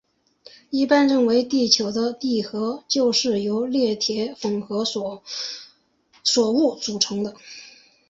一般认为地球的地核就是由镍铁混合物所组成的。